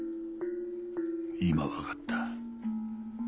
今分かった。